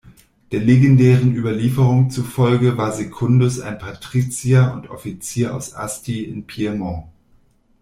Der legendären Überlieferung zufolge war Secundus ein Patrizier und Offizier aus Asti im Piemont.